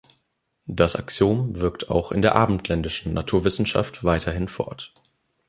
Das Axiom wirkt auch in der abendländischen Naturwissenschaft weiterhin fort.